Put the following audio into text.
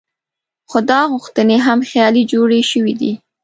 خو دا غوښتنې هم خیالي جوړې شوې دي.